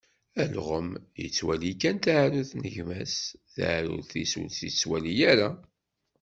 Alɣem yettwali kan taɛrurt n gma-s, taɛrurt-is ur tt-yettwali ara.